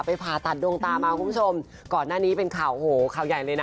ผ่าตัดดวงตามาคุณผู้ชมก่อนหน้านี้เป็นข่าวโหข่าวใหญ่เลยนะ